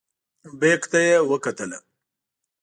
بیک ته یې وکتلې.